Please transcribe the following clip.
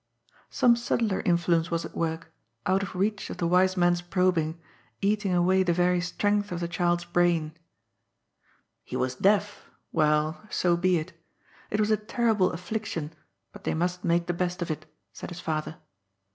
Some subtler infiuence was at work, out of reach of the wise men's probing, eating away the very strength of the child's brain. He was deaf. Well, so be it. It was a terrible affliction, but they must make the best of it, said his father.